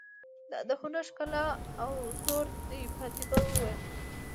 دا د هنر ښکلا او زور دی، فاطمه وویل.